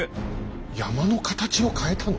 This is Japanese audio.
山の形を変えたの？